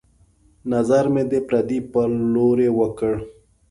نظر مې د پردې په لورې وکړ